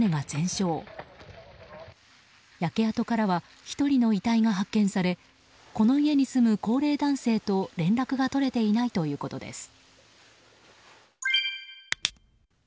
焼け跡からは１人の遺体が発見されこの家に住む高齢男性と連絡が取れていないということです。